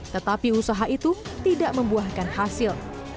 tetapi usaha itu tidak membuahkan hasil